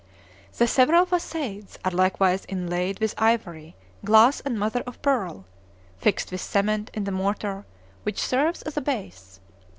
The several façades are likewise inlaid with ivory, glass, and mother of pearl, fixed with cement in the mortar, which serves as a base.